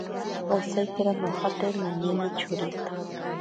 Osaikira nojate namene chorito.